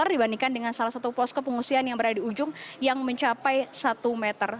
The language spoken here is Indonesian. dibandingkan dengan salah satu posko pengungsian yang berada di ujung yang mencapai satu meter